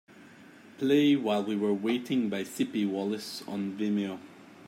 Play While We Were Waiting by Sippie Wallace on Vimeo